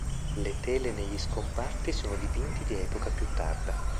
Le tele negli scomparti sono dipinti di epoca più tarda.